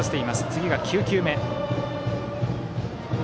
次が９球目。